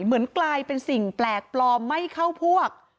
เหมือนกลายเป็นสิ่งแปลกปลอมไม่เข้าพวก